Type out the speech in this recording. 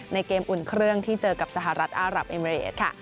ในเกมอุ่นเครื่องที่เจอกับสหรัฐอารับเอเมริดค่ะ